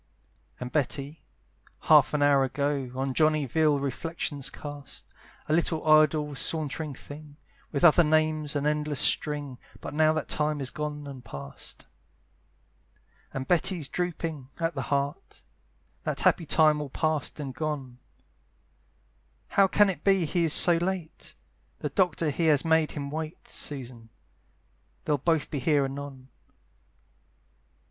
And Betty, half an hour ago, On Johnny vile reflections cast; "A little idle sauntering thing!" With other names, an endless string, But now that time is gone and past. And Betty's drooping at the heart, That happy time all past and gone, "How can it be he is so late? "The doctor he has made him wait, "Susan! they'll both be here anon."